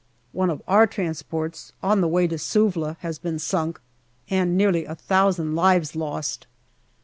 One of our transports on the way to Suvla has been sunk, and nearly a thousand lives lost.